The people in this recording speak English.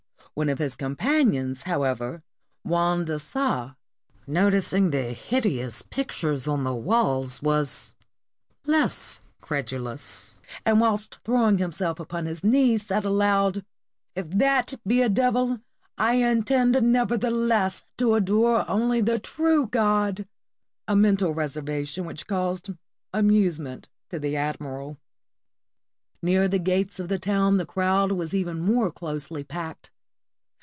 One of his companions, however, Juan de Saa, noticing the hideous pictures upon the walls, was less credulous, and whilst throwing himself upon his knees, said aloud, "If that be a devil, I intend nevertheless to adore only the true God!" A mental reservation which caused amusement to the admiral. Near the gates of the town the crowd was even more closely packed.